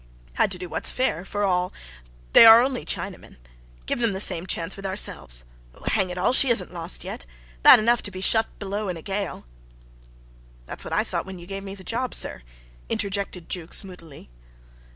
"Had to do what's fair, for all they are only Chinamen. Give them the same chance with ourselves hang it all. She isn't lost yet. Bad enough to be shut up below in a gale " "That's what I thought when you gave me the job, sir," interjected Jukes, moodily.